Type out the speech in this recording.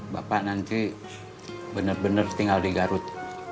bapak nanti bener bener tinggal di garut